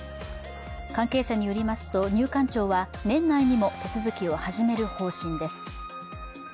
関係者によりますと入管庁は年内にも手続きを始める方針です。